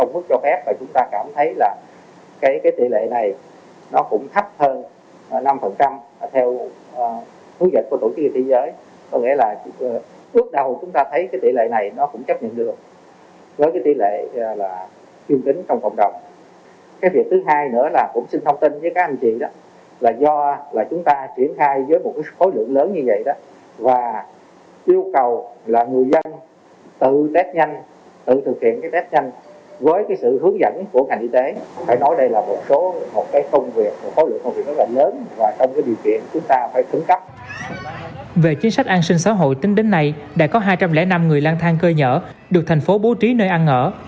về chính sách an sinh xã hội tính đến nay đã có hai trăm linh năm người lang thang cơ nhở được thành phố bố trí nơi ăn ở